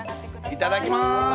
いただきます。